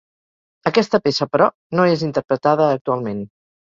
Aquesta peça però, no és interpretada actualment.